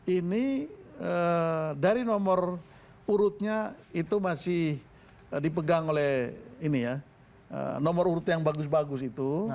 ini dari nomor urutnya itu masih dipegang oleh nomor urut yang bagus bagus itu